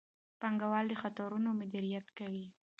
پانګوال د خطرونو مدیریت کوي.